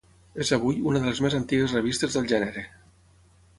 És avui una de les més antigues revistes del gènere.